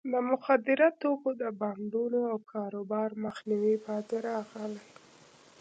د مخدره توکو د بانډونو او کاروبار مخنیوي پاتې راغلی.